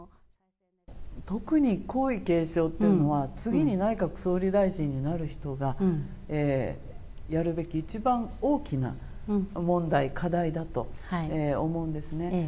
特に皇位継承っていうのは、次に内閣総理大臣になる人がやるべき一番大きな問題、課題だと思うんですね。